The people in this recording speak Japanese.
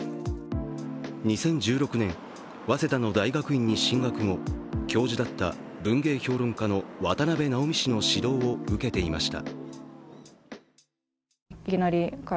２０１６年、早稲田の大学院に進学後、教授だった文芸評論家の渡部直己氏の指導を受けていました。